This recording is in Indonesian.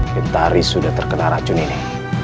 gentari sudah terkena racun ini